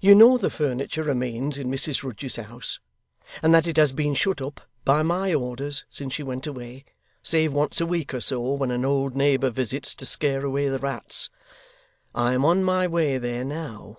You know the furniture remains in Mrs Rudge's house, and that it has been shut up, by my orders, since she went away, save once a week or so, when an old neighbour visits it to scare away the rats. I am on my way there now.